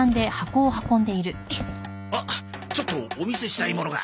あっちょっとお見せしたいものが。